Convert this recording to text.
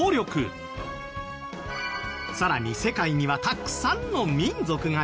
さらに世界にはたくさんの民族がいますよね。